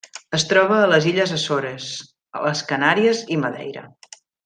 Es troba a les Illes Açores, les Canàries i Madeira.